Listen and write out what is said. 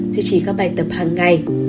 bốn duy trì các bài tập hằng ngày